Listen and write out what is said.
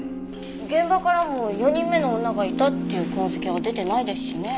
現場からも４人目の女がいたっていう痕跡は出てないですしね。